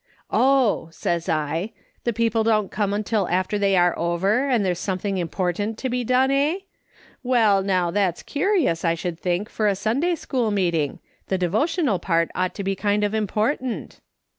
"'Oh,' says I, 'the people don't come till after they are over, and there's something important to be done, eh ? Well, now, that's curious, I should think, for a Sunday school meeting ; the devotional part ought to be kind of important.'